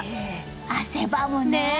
汗ばむね。